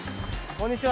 こんにちは。